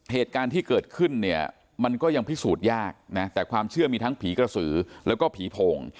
เหตุการณ์ที่เกิดขึ้นเนี่ยมันก็ยังพิสูจน์ยากนะแต่ความเชื่อมีทั้งผีกระสือแล้วก็ผีโพง